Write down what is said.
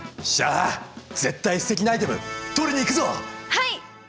はい！